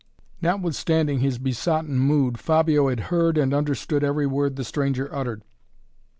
Notwithstanding his besotten mood Fabio had heard and understood every word the stranger uttered.